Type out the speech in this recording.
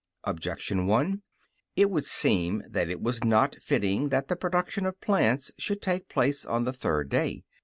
Objection 1: It would seem that it was not fitting that the production of plants should take place on the third day.